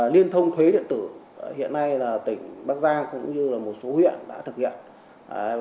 liên thông thuế điện tử hiện nay là tỉnh bắc giang cũng như một số huyện đã thực hiện